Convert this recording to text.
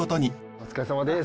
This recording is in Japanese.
お疲れさまです。